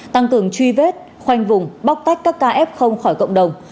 tăng cường truy vết khoanh vùng bóc tách các ca f khỏi cộng đồng